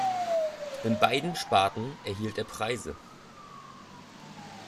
In beiden Sparten erhielt er Preise.